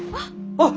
あっ！